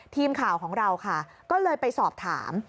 ทีมข่าวของเราค่ะก็เลยไปสอบถาม